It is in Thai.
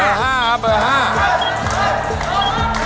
เอาไว้เบอร์๕ครับ